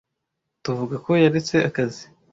Tuvuga ko yaretse akazi.